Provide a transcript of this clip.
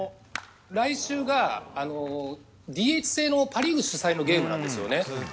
来週がＤＨ制のパ・リーグ主催のゲームなんです。